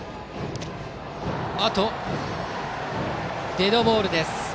デッドボールです。